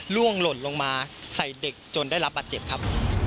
ล่วงหล่นลงมาใส่เด็กจนได้รับบาดเจ็บครับ